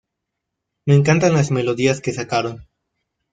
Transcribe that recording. Me encantan las melodías que sacaron.